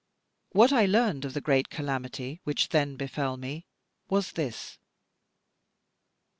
What I learned of the great calamity, which then befell me, was this.